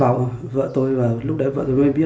bạn phải là người đúng với quý